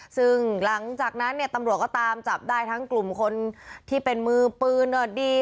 ซึ่งหลังจากนั้นเนี่ยตำรวจก็ตามจับได้ทั้งกลุ่มคนที่เป็นมือปืนดี